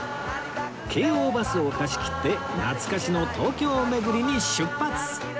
京王バスを貸し切って懐かしの東京巡りに出発